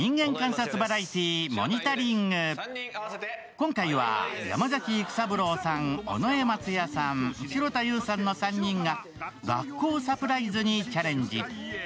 今回は山崎育三郎さん、尾上松也さん、城田優さんの３人が学校サプライズにチャレンジ。